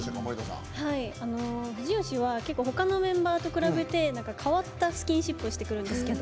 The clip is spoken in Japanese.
藤吉は他のメンバーと比べて変わったスキンシップをしてくるんですけど。